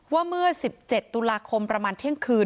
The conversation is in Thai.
ว่าเมื่อ๑๗ตุลาคมประมาณเที่ยงคืน